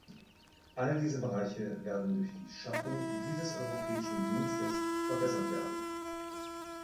All diese Bereiche werden durch die Schaffung dieses europäischen Dienstes verbessert werden.